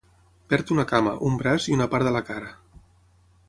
Perd una cama, un braç i una part de la cara.